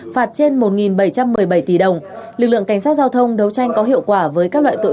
phạt trên một bảy trăm một mươi bảy tỷ đồng lực lượng cảnh sát giao thông đấu tranh có hiệu quả với các loại tội